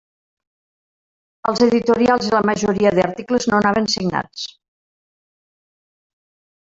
Els editorials i la majoria d'articles no anaven signats.